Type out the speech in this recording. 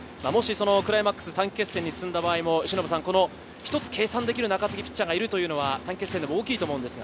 クライマックス、短期決戦に進んだ場合も、ひとつ計算できる中継ぎピッチャーがいるというのは大きいと思うんですが。